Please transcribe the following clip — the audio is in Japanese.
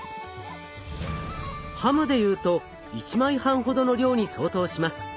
ハムでいうと１枚半ほどの量に相当します。